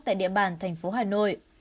tại địa bàn thành phố hà nội